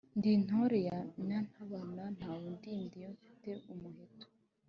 ndi intore ya nyantabana, ntawe undinda iyo mfite umuheto.